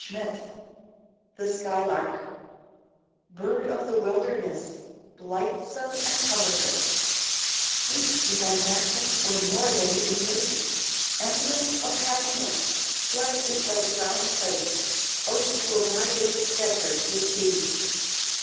Bryant THE SKYLARK Bird of the wilderness, Blithesome and cumberless, Sweet be thy matin o'er moorland and lea! Emblem of happiness, Blest is thy dwelling place Oh, to abide in the desert with thee!